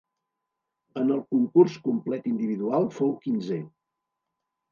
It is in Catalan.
En el concurs complet individual fou quinzè.